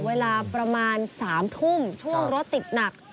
เวลาประมาณ๓ทุ่มช่วงรถติดหนัก